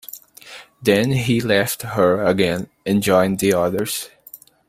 Then he left her again and joined the others.